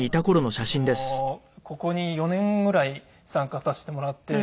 ここに４年ぐらい参加させてもらって。